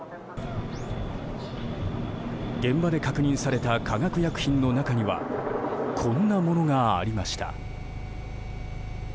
現場で確認された化学薬品の中にはこんなものがありました。